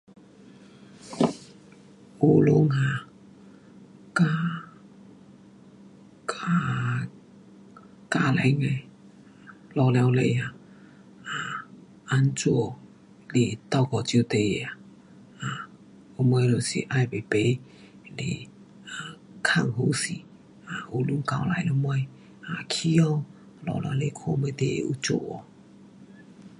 学堂啊，家，家，家庭的老母亲啊 um 怎样去倒脚手孩儿，um 我们就是要排排 um 问好势 um 学堂交代什么。um 回家老母亲看什么事情有做没？